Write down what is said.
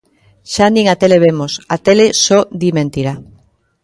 Xa nin a tele vemos, a tele só di mentira.